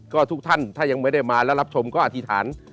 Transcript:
ก็ทุกท่านถ้ายังไม่ได้มาแล้วรับชมก็อธิษฐาน